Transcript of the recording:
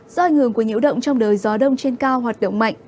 do ảnh hưởng của nhiễu động trong đời gió đông trên cao hoạt động mạnh